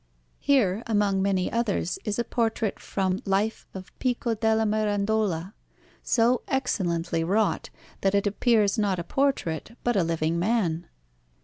Here, among many others, is a portrait from life of Pico della Mirandola, so excellently wrought that it appears not a portrait but a living man.